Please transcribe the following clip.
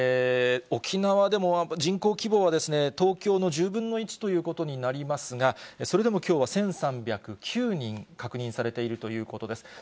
沖縄でも人口規模は東京の１０分の１ということになりますが、それでもきょうは１３０９人確認されているということです。